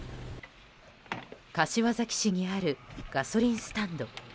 柏崎市にあるガソリンスタンド。